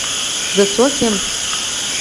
زه څوک يم.